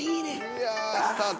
「いやあスタート。